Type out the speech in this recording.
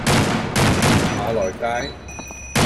馬來街